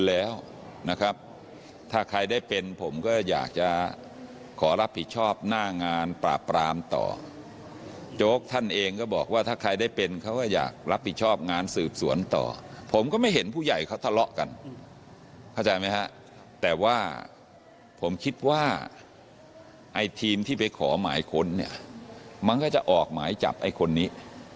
ไอ้ทีมที่จะขอหมายโจ๊กเนี่ยมันก็จะออกหมายจับไอ้คนนี้